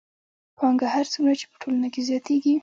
پانګه هر څومره چې په ټولنه کې زیاتېږي